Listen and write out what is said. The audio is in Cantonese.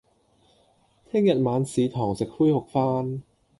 聽日晚市堂食恢復返